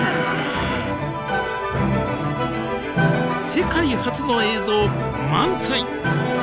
世界初の映像満載。